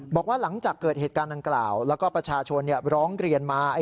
บอกว่าหลังจากเกิดเหตุการณ์ดังกล่าวแล้วก็ประชาชนร้องเรียนมา